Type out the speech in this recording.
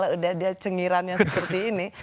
dia kalau udah dia cengirannya seperti ini